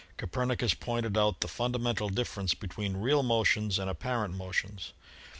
Copernicus pointed out the fundamental difference between real motions and apparent motions.